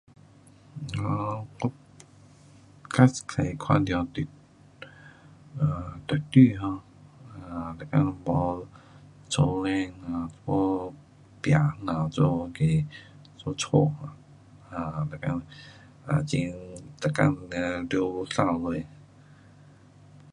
um 我较多看到你 um [unintelligible] 壁檐，屋檐我家 um 了每天要扫。